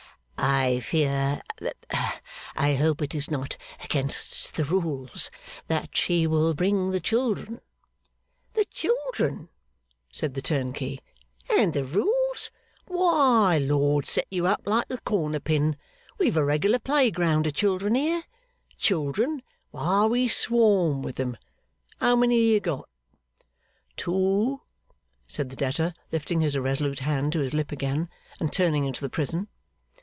'I fear I hope it is not against the rules that she will bring the children.' 'The children?' said the turnkey. 'And the rules? Why, lord set you up like a corner pin, we've a reg'lar playground o' children here. Children! Why we swarm with 'em. How many a you got?' 'Two,' said the debtor, lifting his irresolute hand to his lip again, and turning into the prison.